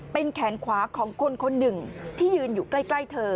เป็นแขนขวาของคนคนหนึ่งที่ยืนอยู่ใกล้เธอ